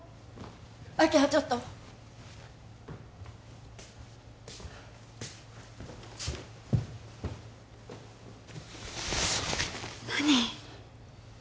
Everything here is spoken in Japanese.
明葉ちょっと何？